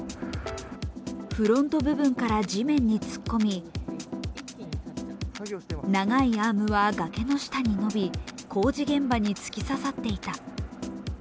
フロント部分から地面に突っ込み長いアームは崖の下に延び、工事現場に突き刺さっていた。